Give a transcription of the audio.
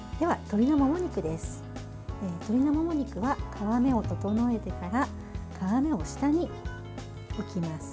鶏のもも肉は皮目を整えてから皮目を下に置きます。